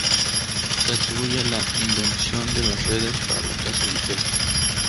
Se le atribuye la invención de las redes para la caza y pesca.